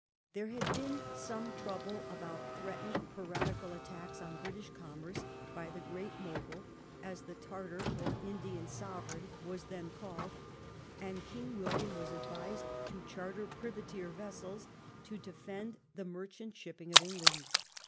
There had been some trouble about threatened piratical attacks on British commerce by the Great Mogul, as the Tartar or Indian sovereign was then called, and King William was advised to charter privateer vessels to defend the merchant ship ping of England.